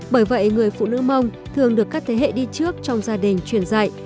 bởi vậy người phụ nữ mông thường được các thế hệ đi trước trong gia đình truyền dạy